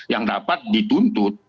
yang dapat dituntut